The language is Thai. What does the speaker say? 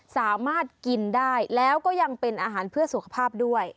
สามารถกินได้แล้วก็ยังเป็นอาหารเพื่อสุขภาพด้วย